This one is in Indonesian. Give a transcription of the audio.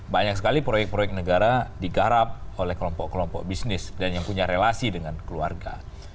banyak sekali proyek proyek negara digarap oleh kelompok kelompok bisnis dan yang punya relasi dengan keluarga